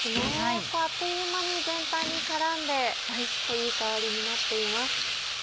あっという間に全体に絡んでいい香りになっています。